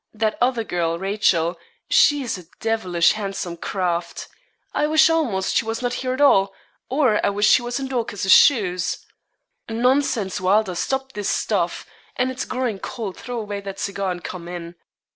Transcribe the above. That other girl, Rachel she's a devilish handsome craft. I wish almost she was not here at all, or I wish she was in Dorcas's shoes.' 'Nonsense, Wylder! stop this stuff; and it is growing cold throw away that cigar, and come in.'